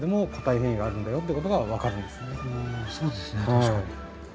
確かに。